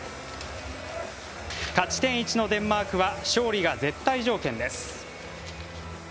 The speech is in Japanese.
勝ち点１のデンマークは勝利が絶対条件です。